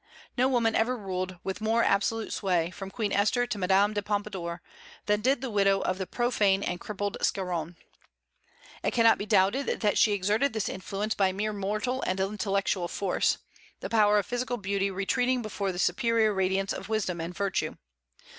No woman ever ruled with more absolute sway, from Queen Esther to Madame de Pompadour, than did the widow of the profane and crippled Scarron. It cannot be doubted that she exerted this influence by mere moral and intellectual force, the power of physical beauty retreating before the superior radiance of wisdom and virtue.